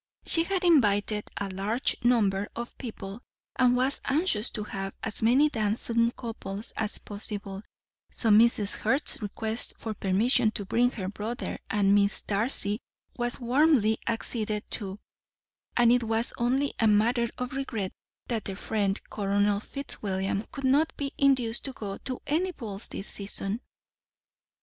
She had invited a large number of people, and was anxious to have as many dancing couples as possible, so Mrs. Hurst's request for permission to bring her brother and Miss Darcy was warmly acceded to, and it was only a matter of regret that their friend Colonel Fitzwilliam could not be induced to go to any balls this season.